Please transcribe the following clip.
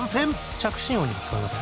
着信音に聞こえません？